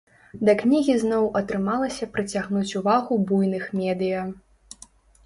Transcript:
Да кнігі зноў атрымалася прыцягнуць увагу буйных медыя.